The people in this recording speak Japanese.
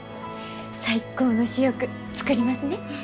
最高の主翼作りますね。